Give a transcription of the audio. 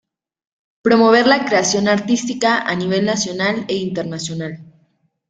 Promover la creación artística a nivel nacional e internacional.